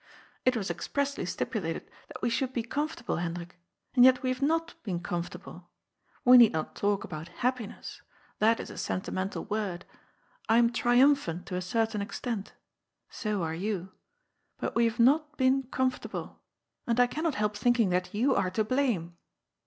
It was expressly stipulated that we should be com fortable, Hendrik, and yet we have not been comfort able. We need not talk about happiness ; that is a senti TWO RIGHTS AND NO WRONG. 298 mental word. I am triumphant to a certain extent. So are yon. But we have not been comfortable. And I can not help thinking that you are to blame.''